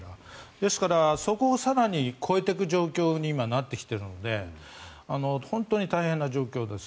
ですからそこを更に超えていく状況に今、なってきているので本当に大変な状況です。